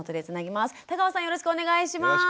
よろしくお願いします。